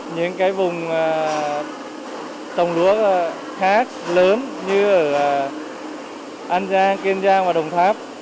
những cái vùng trồng lúa khác lớn như ở an giang kiên giang và đồng tháp